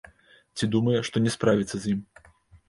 Ці думае, што не справіцца з ім.